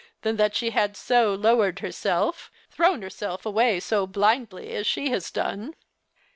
than that she had so lowered herself, thrown lierself away so Idindly as slie has done